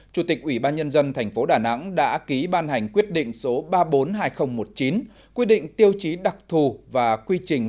chủ tịch ubnd tp đà nẵng đã ký ban hành quyết định số ba trăm bốn mươi hai nghìn một mươi chín quy định tiêu chí đặc thù và quy trình